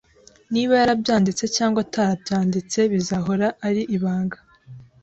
Niba yarabyanditse cyangwa atabyanditse bizahora ari ibanga.